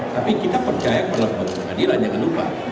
tapi kita percaya kepada pengadilan jangan lupa